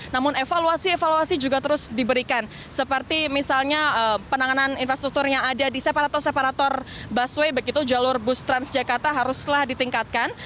namun evaluasi evaluasi juga terus diberikan seperti misalnya penanganan infrastruktur yang ada di separator separator busway begitu jalur bus transjakarta haruslah ditingkatkan